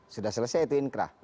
sudah selesai itu inkra